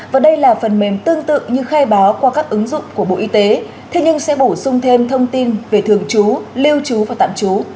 và đây là phần mềm tương tự như khai báo qua các ứng dụng của bộ y tế thế nhưng sẽ bổ sung thêm thông tin về thường trú lưu trú và tạm trú